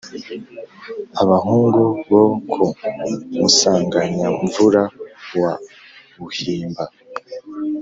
abahungu bo ku musanganyamvura wa buhimba,